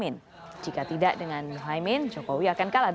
muhamad jika tidak dengan muhamad jokowi akan kalah